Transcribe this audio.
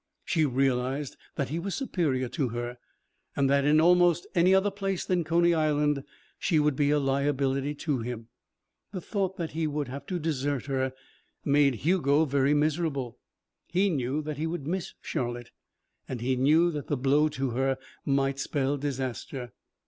She realized that he was superior to her and that, in almost any other place than Coney Island, she would be a liability to him. The thought that he would have to desert her made Hugo very miserable. He knew that he would miss Charlotte and he knew that the blow to her might spell disaster.